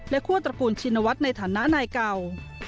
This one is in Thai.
คั่วตระกูลชินวัฒน์ในฐานะนายเก่า